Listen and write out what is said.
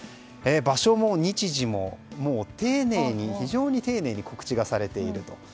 場所も日時も非常に丁寧に告知がされていると。